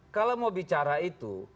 kalau mau bicara itu